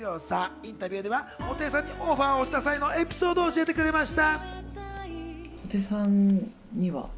インタビューでは布袋さんにオファーをした際のエピソードを教えてくれました。